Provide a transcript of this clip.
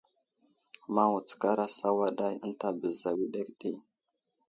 Maŋ wutskar asawaday ənta bəza wəɗek ɗi.